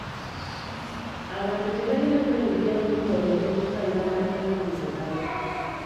Abantu tebalina kwenyigira mu bikolwa eby'okutwalira amateeka mu ngalo.